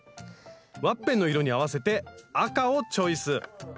ワッペンの色に合わせて赤をチョイス。